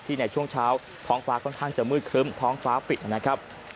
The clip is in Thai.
ในช่วงเช้าท้องฟ้าค่อนข้างจะมืดครึ้มท้องฟ้าปิดนะครับ